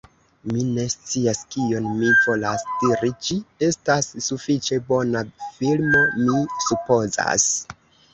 Mi ne scias kion mi volas diri ĝi estas sufiĉe bona filmo, mi supozas